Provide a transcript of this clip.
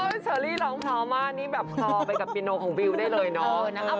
เชอรี่ร้องพร้อมมากนี่แบบคลอไปกับปีโนของบิวได้เลยเนาะ